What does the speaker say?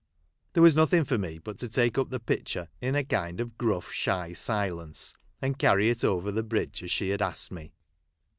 There was nothing for me but to take up the pitcher in a kind of gruff, shy silence, and carry it over the bridge as she had asked me.